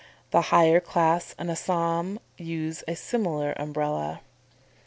The higher class in Assam use a similar Umbrella.